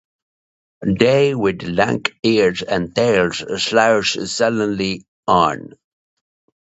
They with lank ears and tails slouch sullenly on.